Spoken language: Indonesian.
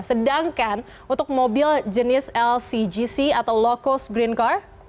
sedangkan untuk mobil jenis lcgc